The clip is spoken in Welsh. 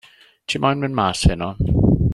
Ti moyn mynd mas heno?